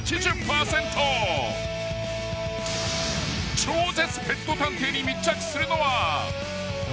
［超絶ペット探偵に密着するのは］